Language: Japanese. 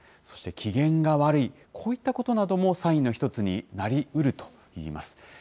そして機嫌が悪い、こういったことなども、サインの一つになりうるといいます。